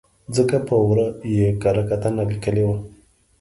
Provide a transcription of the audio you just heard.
ځکه په ور ه یې کره کتنه لیکلې وه.